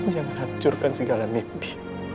jangan hancurkan segala mimpi